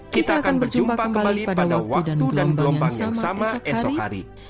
kita akan berjumpa kembali pada waktu dan gelombang yang sama esok hari